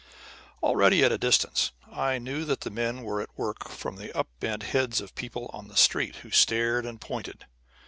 Already, at a distance, I knew that the men were at work from the upbent heads of people on the street who stared and pointed.